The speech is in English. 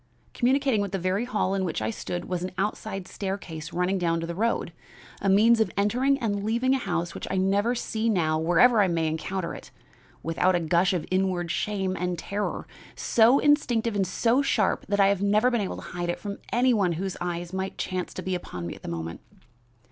Communicating with the very hall in which I stood was an outside staircase running down to the road a means of entering and leaving a house which I never see now wherever I may encounter it, without a gush of inward shame and terror, so instinctive and so sharp that I have never been able to hide it from any one whose eye might chance to be upon me at the moment.